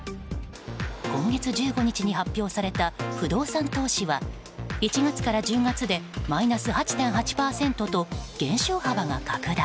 今月１５日に発表された不動産投資は１月から１０月でマイナス８．８％と減少幅が拡大。